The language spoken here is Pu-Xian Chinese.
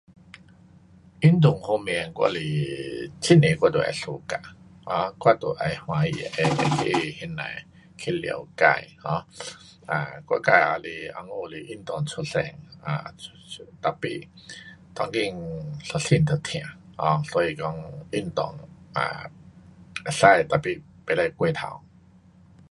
运动方面我是很多我都会 suka um 我都会欢喜的，会去那种的去了解，哈，um 我自己也是红菇是运动出身的，tapi 当今整身都痛。um 所以说运动啊可以 tapi 不可过头。